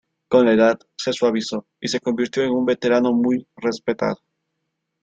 Con la edad, se suavizó y se convirtió en un veterano muy respetado.